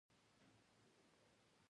دوی دې د یرغل احتمالي تګ لوري وښیي.